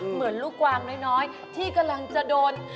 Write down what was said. เหมือนลูกกวางน้อยที่กำลังจะโดน